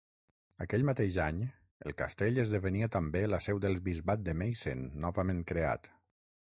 Aquell mateix any, el castell esdevenia també la seu del Bisbat de Meissen novament creat.